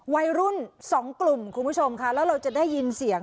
วัยรุ่นสองกลุ่มคุณผู้ชมค่ะแล้วเราจะได้ยินเสียง